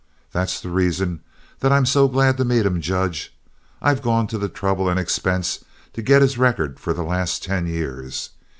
That's the reason that I'm so glad to meet him. Judge, I've gone to the trouble and expense to get his record for the last ten years.